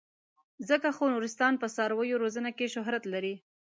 ځکه خو نورستان په څارویو روزنه کې شهرت لري.